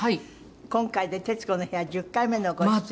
今回で『徹子の部屋』１０回目のご出演。